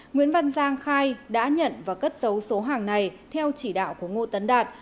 nguyễn văn giang khai đã nhận và cất xấu số hàng này theo chỉ đạo của ngô tấn đạt